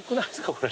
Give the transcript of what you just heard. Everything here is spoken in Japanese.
これ。